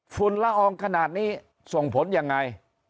ละอองขนาดนี้ส่งผลยังไง